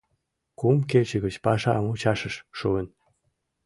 Кум кече гыч паша мучашыш шуын.